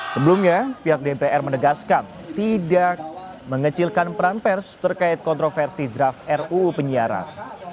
sebelumnya pihak dpr menegaskan tidak mengecilkan peran pers terkait kontroversi draft ruu penyiaran